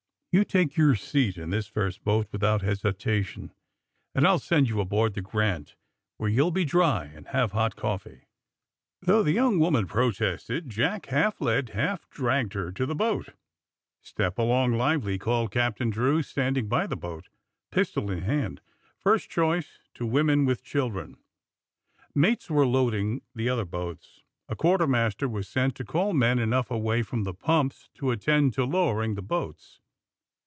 You take your seat in this first boat without hesitation, and I'll send you aboard the ^ Grant' where you'll be dry and have hot coffee." Though the young woman protested, Jack half led, half dragged her to the boat. ^^Stei^ along lively,"" called Captain Drew, standing by the boat, pistol in hand. ^^ First choice to women with children!" Mates were loading the otherHboats. A quar termaster was sent to call men enough away from the pumps to attend to lowering the boats.